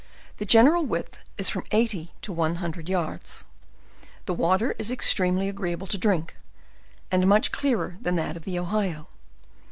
The general width is from eighty to a hundred yards. The water is extremly agreeable to drink, and much clearer than that of the Ohio.